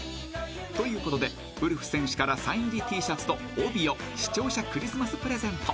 ［ということでウルフ選手からサイン入りＴシャツと帯を視聴者クリスマスプレゼント］